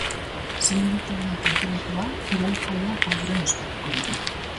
Sendi taldeak antolatua, kirol-jaia Faduran ospatuko dugu.